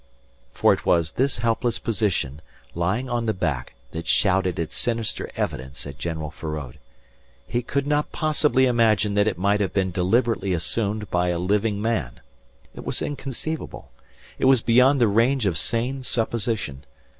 For it was this helpless position, lying on the back, that shouted its sinister evidence at General Feraud. He could not possibly imagine that it might have been deliberately assumed by a living man. It was inconceivable. It was beyond the range of sane supposition.